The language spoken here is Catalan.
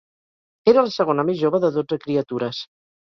Era la segona més jove de dotze criatures.